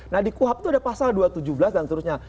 nah di kuhap itu ada pasal dua ratus tujuh belas dan seterusnya